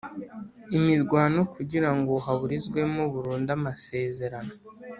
Imirwano kugira ngo haburizwemo burundu amasezerano